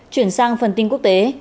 chuyển sang phần tin quốc tế